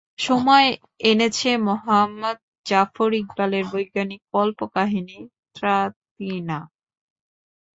সময় এনেছে মুহম্মদ জাফর ইকবালের বৈজ্ঞানিক কল্পকাহিনি ত্রাতিনা।